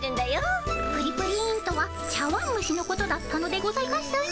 プリプリンとは茶わんむしのことだったのでございますね。